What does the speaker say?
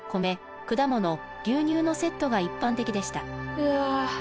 うわ。